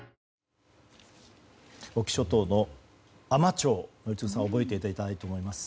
隠岐諸島の海士町宜嗣さん、覚えていただきたいと思います。